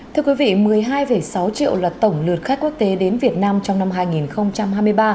thưa quý vị một mươi hai sáu triệu là tổng lượt khách quốc tế đến việt nam trong năm hai nghìn hai mươi ba